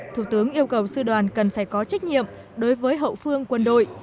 thủ tướng yêu cầu sư đoàn cần phải có trách nhiệm đối với hậu phương quân đội